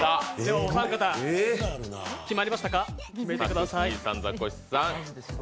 お三方、決めてください。